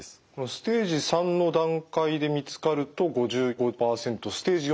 ステージ３の段階で見つかると５５％ステージ４だと９％。